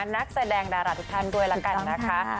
นักแสดงดาราทุกท่านด้วยละกันนะคะ